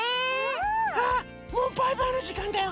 ああもうバイバイのじかんだよ。